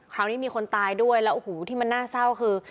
คราวนี้มีคนตายด้วยแล้วโอ้โหที่มันน่าเศร้าคือ